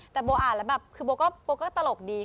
แต่โบอ่านแบบคือโบก็ตลกดี